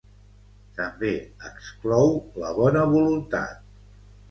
També exclou la bona voluntat.